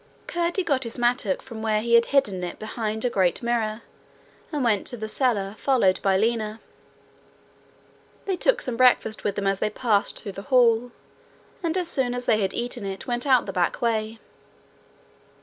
Curdie got his mattock from where he had hidden it behind a great mirror, and went to the cellar, followed by Lina. They took some breakfast with them as they passed through the hall, and as soon as they had eaten it went out the back way.